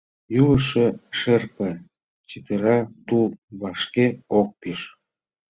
Йӱлышӧ шырпе чытыра, тул вашке ок пиж.